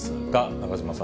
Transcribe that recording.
中島さん。